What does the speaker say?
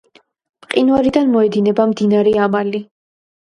მყინვარიდან გამოედინება მდინარე ამალი.